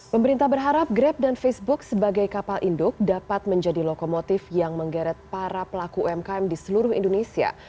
pemerintah berharap grab dan facebook sebagai kapal induk dapat menjadi lokomotif yang menggeret para pelaku umkm di seluruh indonesia